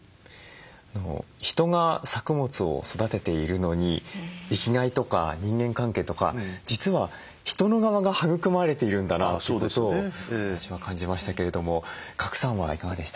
人が作物を育てているのに生きがいとか人間関係とか実は人の側が育まれているんだなということを私は感じましたけれども賀来さんはいかがでしたか？